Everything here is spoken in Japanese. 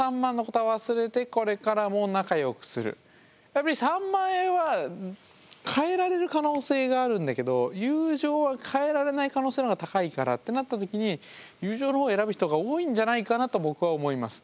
やっぱり３万円は代えられる可能性があるんだけど友情は代えられない可能性のほうが高いからってなったときに友情のほうを選ぶ人が多いんじゃないかなと僕は思います。